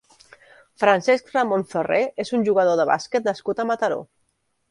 Francesc Ramón Ferrer és un jugador de bàsquet nascut a Mataró.